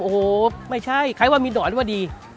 โอ้โฮไม่ใช่ใครว่ามีหน่อยนี่ว่าดี